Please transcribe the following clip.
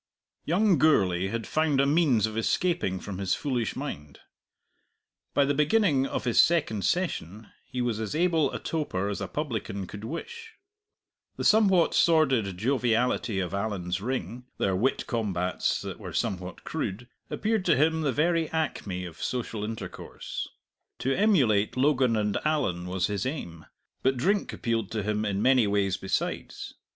Young Gourlay had found a means of escaping from his foolish mind. By the beginning of his second session he was as able a toper as a publican could wish. The somewhat sordid joviality of Allan's ring, their wit combats that were somewhat crude, appeared to him the very acme of social intercourse. To emulate Logan and Allan was his aim. But drink appealed to him in many ways besides.